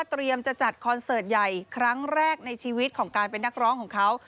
จะจัดคอนเสิร์ตใหญ่ครั้งแรกในชีวิตของการเป็นนักร้องของเขา